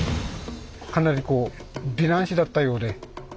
かなりこう美男子だったようで。